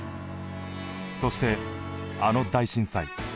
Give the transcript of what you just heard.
そしてあの大震災。